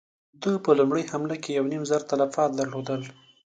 ده په لومړۍ حمله کې يو نيم زر تلفات درلودل.